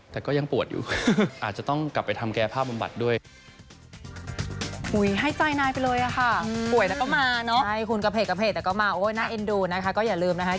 แต่ก็ยังปวดอยู่อาจจะต้องกลับไปทำแก้ผ้าบำบัดด้วย